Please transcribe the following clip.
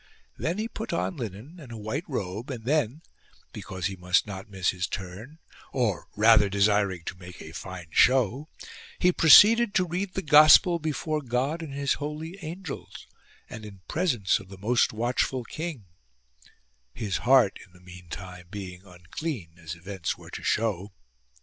Then he put on linen and a white robe, and then, because he must not miss his turn, or rather desiring to make a fine show, he proceeded to read the gospel before God and His holy angels, and in presence of the most watchful king ; his heart in the meantime being unclean, as events were to show.